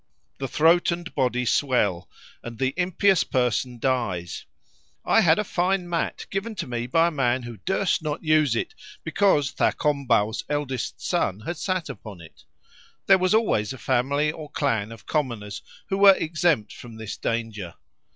"The throat and body swell, and the impious person dies. I had a fine mat given to me by a man who durst not use it because Thakombau's eldest son had sat upon it. There was always a family or clan of commoners who were exempt from this danger.